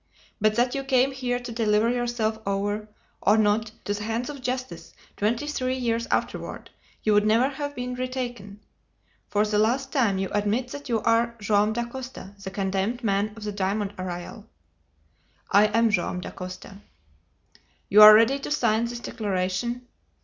But that you came here to deliver yourself over, or not, to the hands of justice twenty three years afterward, you would never have been retaken. For the last time, you admit that you are Joam Dacosta, the condemned man of the diamond arrayal?" "I am Joam Dacosta." "You are ready to sign this declaration?"